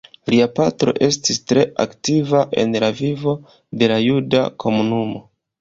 Lia patro estis tre aktiva en la vivo de la juda komunumo.